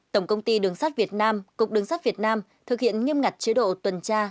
tổng công ty đường sắt việt nam cục đường sắt việt nam thực hiện nghiêm ngặt chế độ tuần tra